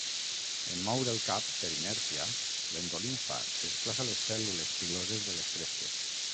En moure el cap, per inèrcia, l'endolimfa desplaça les cèl·lules piloses de les crestes.